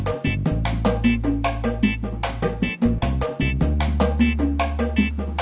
saya akan menghentikan kekuatan